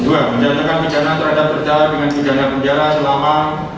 dua menjatuhkan pidana terhadap berjalan dengan pidana penjara selama